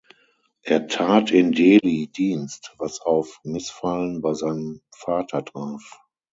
Er tat in Delhi Dienst, was auf Missfallen bei seinem Vater traf.